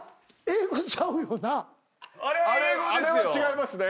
あれは違いますね。